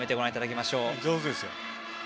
上手ですよ。